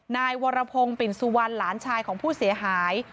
นายวรพงศ์ปิ่นสุวรรณหลานชายของผู้เสียหาย